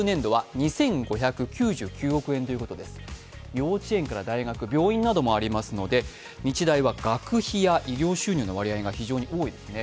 幼稚園から大学、病院などもありますので日大は学費や医療収入の割合が非常に多いですね。